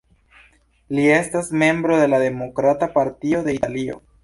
Li estas membro de la Demokrata Partio de Italio.